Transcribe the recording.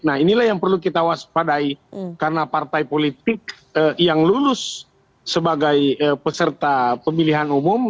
nah inilah yang perlu kita waspadai karena partai politik yang lulus sebagai peserta pemilihan umum